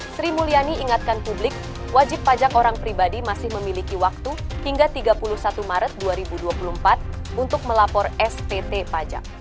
sri mulyani ingatkan publik wajib pajak orang pribadi masih memiliki waktu hingga tiga puluh satu maret dua ribu dua puluh empat untuk melapor spt pajak